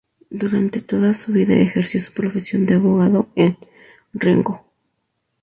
Durante toda su vida ejerció su profesión de abogado en Rengo.